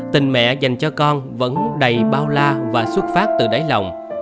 tình mẹ dành cho con vẫn đầy bao la và xuất phát từ đáy lòng